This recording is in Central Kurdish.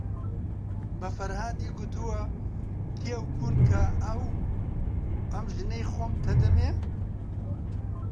بە فەرهادی گوتووە کێو کون کە، ئەم ژنەی خۆمتە ئەدەمێ؟